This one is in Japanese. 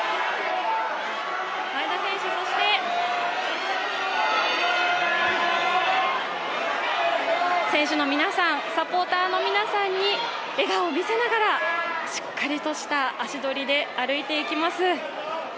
前田選手、そして選手の皆さん、サポーターの皆さんに笑顔を見せながら、しっかりとした足取りで歩いていきます。